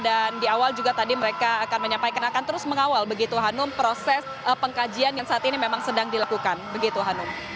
dan di awal juga tadi mereka akan menyampaikan akan terus mengawal begitu hanum proses pengkajian yang saat ini memang sedang dilakukan begitu hanum